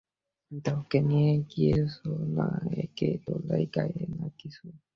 তা ওকে নিয়ে গিয়েচ, না একটা দোলাই গায়ে, না কিছু!